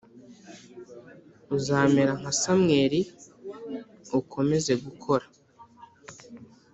uzamera nka Samweli ukomeze gukora